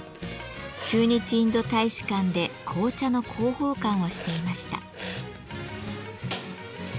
駐日インド大使館で紅茶の広報官をしていました。